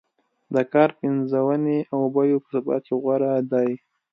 د کار پنځونې او بیو په ثبات کې غوره دی.